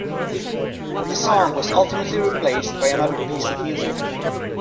The song was ultimately replaced by another piece of music.